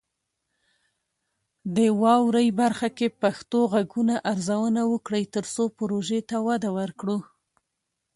د "واورئ" برخه کې پښتو غږونه ارزونه وکړئ، ترڅو پروژې ته وده ورکړو.